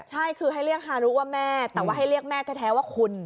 ใช่คือให้เรียกฮารุว่าแม่แต่ว่าให้เรียกแม่แท้ว่าคุณ